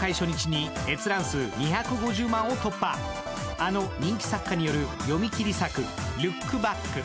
あの人気作家による読み切り作「ルックバック」。